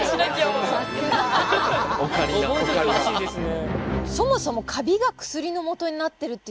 覚えといてほしいですね。